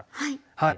はい。